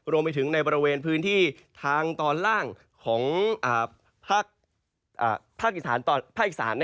รวมไปถึงในบริเวณพื้นที่ทางตอนล่างของภาคอีสาน